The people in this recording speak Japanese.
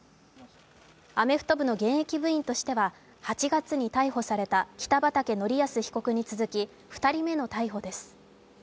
アメフト部の現役部員としては８月に逮捕された北畠成文被告に続き２人目の逮捕です。